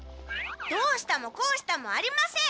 どうしたもこうしたもありません！